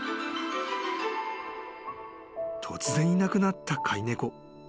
［突然いなくなった飼い猫］